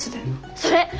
それ！